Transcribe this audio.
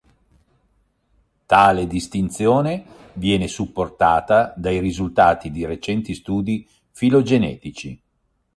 Tale distinzione viene supportata dai risultati di recenti studi filogenetici.